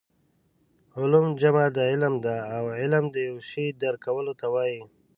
علوم جمع د علم ده او علم د یو شي درک کولو ته وايي